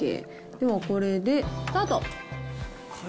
ではこれでスタート。